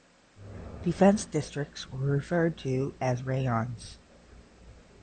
Defence districts were referred to as ‘rayons’.